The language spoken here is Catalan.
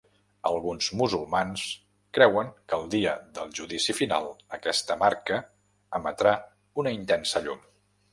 Alguns musulmans creuen que el Dia del Judici Final aquesta marca emetrà una intensa llum.